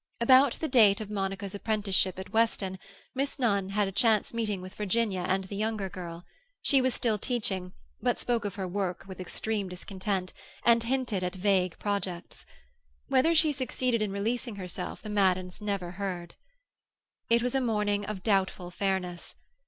About the date of Monica's apprenticeship at Weston, Miss Nunn had a chance meeting with Virginia and the younger girl; she was still teaching, but spoke of her work with extreme discontent, and hinted at vague projects. Whether she succeeded in releasing herself the Maddens never heard. It was a morning of doubtful fairness.